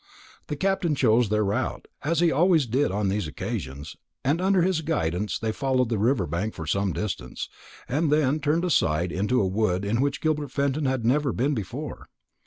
The Captain chose their route, as he always did on these occasions, and under his guidance they followed the river bank for some distance, and then turned aside into a wood in which Gilbert Fenton had never been before.